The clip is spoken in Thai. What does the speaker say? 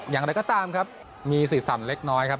อย่างไรก็ตามครับมีสีสันเล็กน้อยครับ